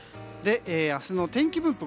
明日の天気分布